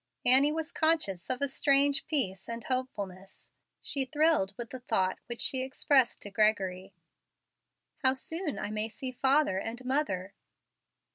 Annie was conscious of a strange peace and hopefulness. She thrilled with the thought which she expressed to Gregory "How soon I may see father and mother!"